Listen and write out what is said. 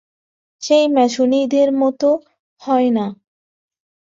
সেই মেছুনীদের মত হয় না।